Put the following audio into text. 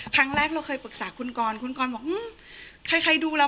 ครั้งแรกเราเคยปรึกษาคุณกรคุณกรบอกใครใครดูแล้ว